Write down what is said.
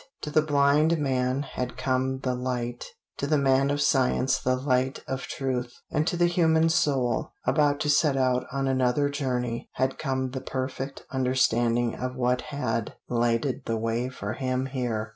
To the blind man had come the light; to the man of science the light of truth, and to the human soul, about to set out on another journey, had come the perfect understanding of what had lighted the way for him here.